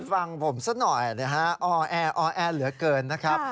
ฟังผมสักหน่อยเอาแอร์เหลือเกินนะครับ